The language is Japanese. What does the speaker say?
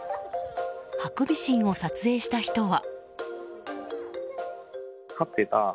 ハクビシンを撮影した人は。